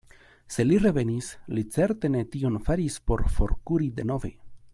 Se li revenis, li certe ne tion faris por forkuri denove.